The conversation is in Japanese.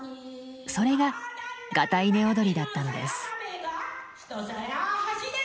それが潟いね踊りだったのです。